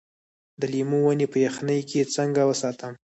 د لیمو ونې په یخنۍ کې څنګه وساتم؟